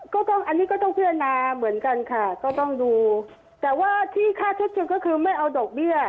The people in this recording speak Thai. ก็ต้องอันนี้ก็ต้องพิจารณาเหมือนกันค่ะก็ต้องดูแต่ว่าที่ค่าเท็จจริงก็คือไม่เอาดอกเบี้ย